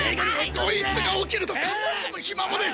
こいつが起きると悲しむ暇もねぇ。